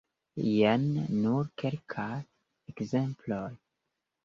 Jen nur kelkaj ekzemploj.